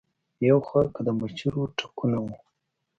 يو خوا کۀ د مچرو ټکونه وو